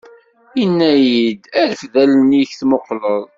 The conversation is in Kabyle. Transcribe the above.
Inna-yi-d: Rfed allen-ik tmuqleḍ!